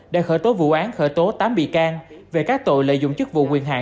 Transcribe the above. đã khởi tố vụ án khởi tố tám bị can về các tội lợi dụng chức vụ quyền hạn